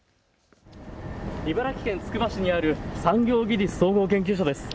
茨城県つくば市にある産業技術総合研究所です。